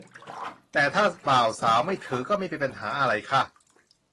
แต่ถ้าบ่าวสาวไม่ถือก็ไม่มีปัญหาอะไรค่ะ